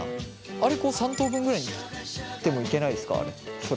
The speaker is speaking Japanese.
あれ３等分ぐらいに切ってもいけないですかあれ。